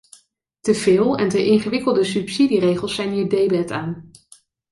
Te veel en te ingewikkelde subsidieregels zijn hier debet aan.